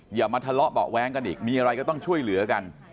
อย่ามาทะเลาะเบาะแว้งกันอีกมีอะไรก็ต้องช่วยเหลือกัน